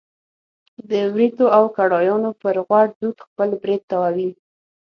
د وریتو او کړایانو پر غوړ دود خپل برېت تاووي.